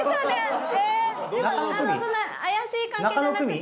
そんな怪しい関係じゃなくて。